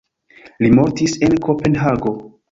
Li mortis en Kopenhago.